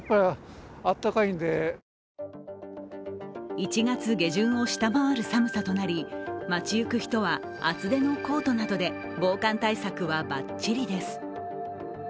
１月下旬を下回る寒さとなり街ゆく人は厚手のコートなどで防寒対策はばっちりです。